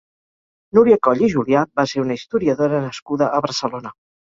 Núria Coll i Julià va ser una historiadora nascuda a Barcelona.